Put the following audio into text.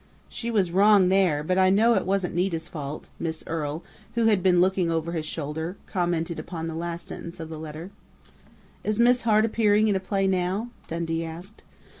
"_ "She was wrong there, but I know it wasn't Nita's fault," Miss Earle, who had been looking over his shoulder, commented upon the last sentence of the letter. "Is Miss Hart appearing in a play now?" Dundee asked.